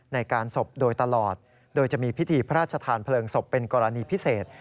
ในการศพโดยตลอดโดยจะมีพิธีพระราชทานเพลิงศพเป็นกรณีพิเศษ